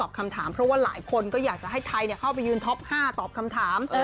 คำถามเพราะว่าหลายคนก็อยากจะให้ไทยเข้าไปยืนท็อป๕ตอบคำถาม